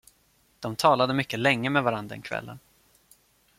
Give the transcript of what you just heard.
De talade mycket länge med varandra den kvällen.